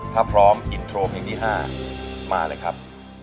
ถ้าพร้อมอินโทรเพลงที่๕มาเลยครับ